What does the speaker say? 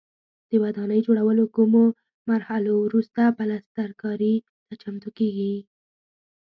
د ودانۍ جوړولو کومو مرحلو وروسته پلسترکاري ته چمتو کېږي.